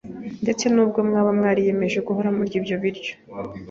Ndetse nubwo mwaba mwariyemeje guhora murya ibyokurya